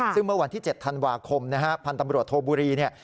ซึ่งเมื่อวันที่๗ธันวาคมนะฮะพันธ์ตำรวจโทบุรีเนี่ย